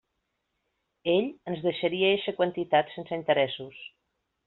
Ell ens deixaria eixa quantitat sense interessos.